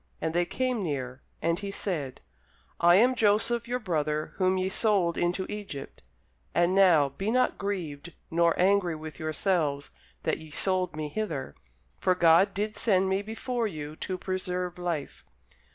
And they came near. And he said, I am Joseph your brother whom ye sold into Egypt. And now be not grieved, nor angry with yourselves, that ye sold me hither: for God did send me before you to preserve life.